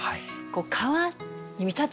川に見立ててる。